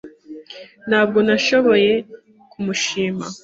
Ntabwo nashoboye kumushima.